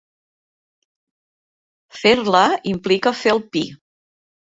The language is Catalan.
Fer-la implica fer el pi.